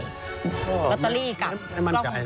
รัตเตอรี่กับกล้องของเจ้า